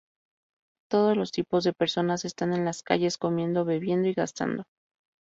Todos los tipos de personas están en las calles, comiendo, bebiendo y gastando.